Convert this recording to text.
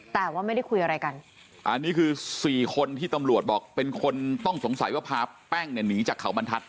แต่ว่าไม่ได้คุยอะไรกันอันนี้คือสี่คนที่ตำรวจบอกเป็นคนต้องสงสัยว่าพาแป้งเนี่ยหนีจากเขาบรรทัศน